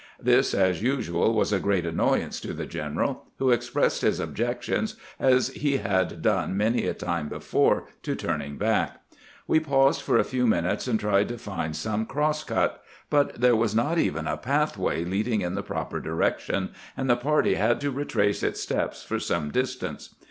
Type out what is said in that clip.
This, as usual, was a great annoyance to the general, who expressed his objections, as he had done many a time before, to turning back. We paused for a few minutes, and tried to find some cross cut ; but there was 312 CAMPAIGNING WITH GRANT not even a pathway leading in the proper direction, and the party had to retrace its steps for some distance.